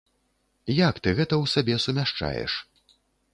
Як ты гэта ў сабе сумяшчаеш?